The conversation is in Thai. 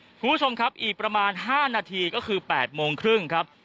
คุณผู้ชมครับอีกประมาณ๕นาทีก็คือ๘โมงครึ่งครับ